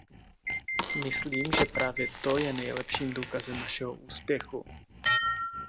Myslím, že právě to je nejlepším důkazem našeho úspěchu.